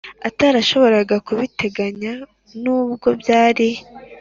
atarashoboraga kubiteganya nubwo byari